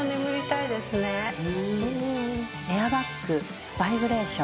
エアバッグバイブレーションヒーター